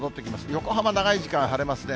横浜、長い時間晴れますね。